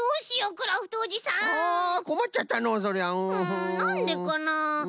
うんなんでかな？